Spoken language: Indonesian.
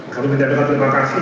kami ingin mengucapkan terima kasih